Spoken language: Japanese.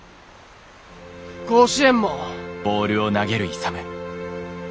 甲子園も。